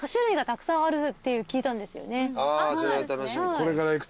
これから行くとこ？